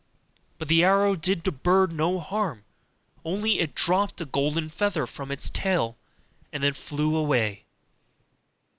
But the arrow did the bird no harm; only it dropped a golden feather from its tail, and then flew away.